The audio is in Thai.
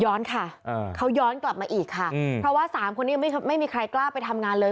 ค่ะเขาย้อนกลับมาอีกค่ะเพราะว่าสามคนนี้ยังไม่มีใครกล้าไปทำงานเลย